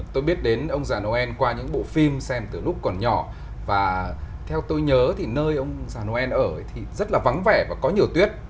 tôi biết đến ông già noel qua những bộ phim xem từ lúc còn nhỏ và theo tôi nhớ thì nơi ông già noel ở thì rất là vắng vẻ và có nhiều tuyết